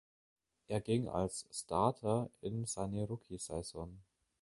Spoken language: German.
Er ging als Starter in seine Rookiesaison.